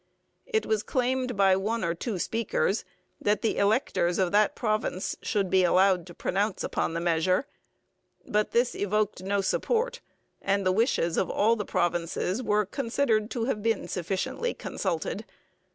It was claimed by one or two speakers that the electors of that province should be allowed to pronounce upon the measure, but this evoked no support, and the wishes of all the provinces were considered to have been sufficiently consulted.